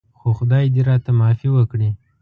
خو خدای دې راته معافي وکړي.